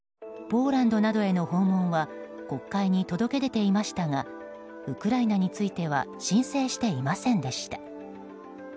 ポーランドなどへの訪問は国会に届け出ていましたがウクライナについては申請していませんでした。